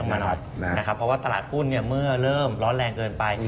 เพราะว่าตลาดหุ้นเมื่อเริ่มร้อนแรงเกินไป